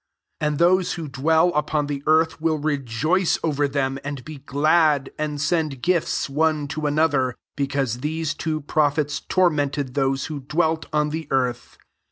10 And those wftfydwell upon he earth will rejoice over them, jid be glad, and send gifts one another; because these two ►rophets tormented those who 1 welt on the earth."